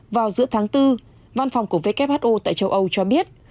vào giữa tháng bốn văn phòng của who tại châu âu cho biết